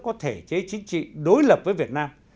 có thể chế chính trị đối lập với việt nam